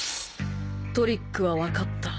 トリックは分かった。